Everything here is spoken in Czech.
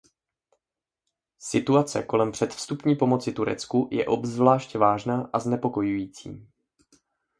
Situace kolem předvstupní pomoci Turecku je obzvláště vážná a znepokojující.